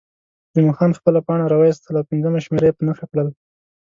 جمعه خان خپله پاڼه راویستل او پنځمه شمېره یې په نښه کړل.